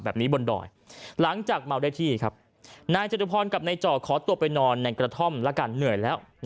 บนดอยหลังจากเมาได้ที่ครับนายจตุพรกับนายจ่อขอตัวไปนอนในกระท่อมละกันเหนื่อยแล้ว